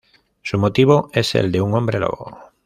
Su motivo es el de un hombre lobo.